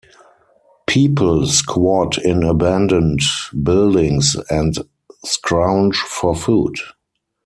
People squat in abandoned buildings and scrounge for food.